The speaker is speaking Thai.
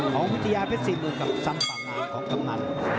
ของวิทยาเพชรสี่หมื่นกับสัมปราณาของกำลัง